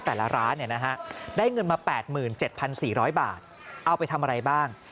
แต่ละร้านได้เงินมา๘๗๔๐๐บาทเอาไปทำอะไรบ้าง